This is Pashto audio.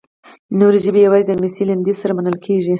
نورې ژبې یوازې د انګلیسي لنډیز سره منل کیږي.